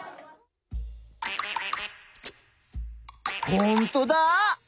ほんとだ！